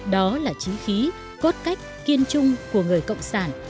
đó là trí khí cốt cách kiên trung của người cộng sản